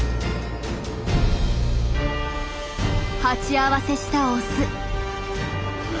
鉢合わせしたオス。